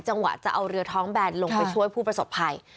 จะเอาเรือท้องแบนลงไปช่วยผู้ประสบภัย